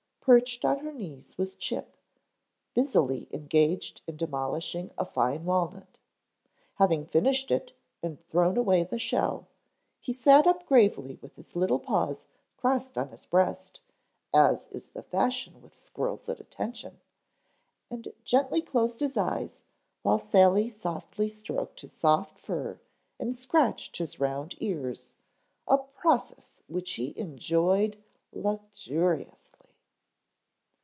Perched on her knees was Chip, busily engaged in demolishing a fine walnut. Having finished it and thrown away the shell, he sat up gravely with his little paws crossed on his breast, as is the fashion with squirrels at attention, and gently closed his eyes while Sally softly stroked his soft fur and scratched his round ears, a process which he enjoyed luxuriously.